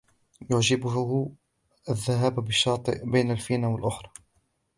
يعجبه الذهاب بالشاطئ بين الفينة والأخرى.